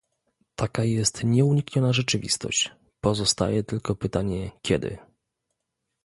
Taka jest nieunikniona rzeczywistość - pozostaje tylko pytanie "kiedy?"